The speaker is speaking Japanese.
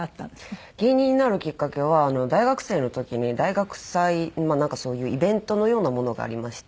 芸人になるきっかけは大学生の時に大学祭そういうイベントのようなものがありまして。